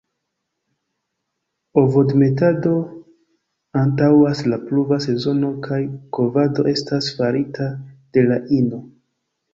Ovodemetado antaŭas la pluva sezono kaj kovado estas farita de la ino.